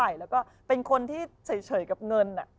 แล้วก็เป็นคนที่เฉยกับเงิน